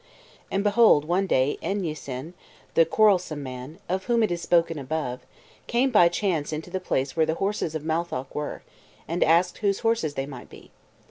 And, behold, one day Evnissyen, the quarrelsome man, of whom it is spoken above, came by chance into the place where the horses of Matholch were, and asked whose horses they might be.